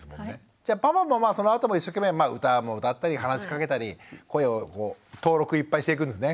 じゃあパパママはそのあとも一生懸命歌も歌ったり話しかけたり声を登録いっぱいしていくんですね。